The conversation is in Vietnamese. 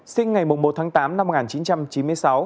sinh ngày một tháng tám năm một nghìn chín trăm chín mươi sáu